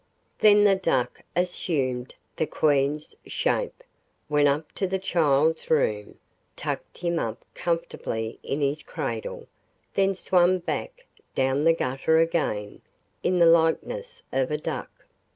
Then the Duck assumed the Queen's shape, went up to the child's room, tucked him up comfortably in his cradle, and then swam back down the gutter again, in the likeness of a Duck.